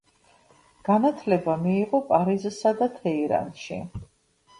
განათლება მიიღო პარიზსა და თეირანში.